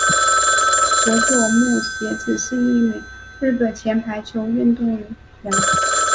佐佐木节子是一名日本前排球运动员。